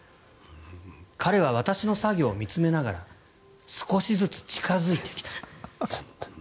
彼は私の作業を見つめながら少しずつ近付いてきた。